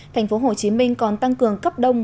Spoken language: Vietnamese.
thành phố hồ chí minh còn tăng cường cấp đông